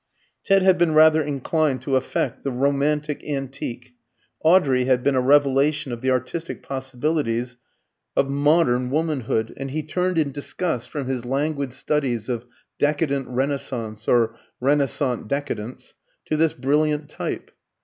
Ted had been rather inclined to affect the romantic antique: Audrey had been a revelation of the artistic possibilities of modern womanhood, and he turned in disgust from his languid studies of decadent renaissance, or renaissant decadence, to this brilliant type.